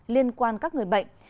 liên quan các người bệnh